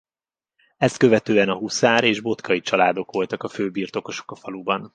Ezt követően a Huszár és Botkai családok voltak a fő birtokosok a faluban.